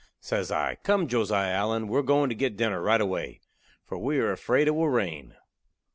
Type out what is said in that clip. Says I, "Come, Josiah Allen, we're goin' to get dinner right away, for we are afraid it will rain."